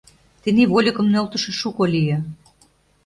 Тений вольыкым нӧлтышӧ шуко лие.